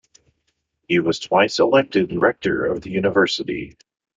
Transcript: He was twice elected rector of the university.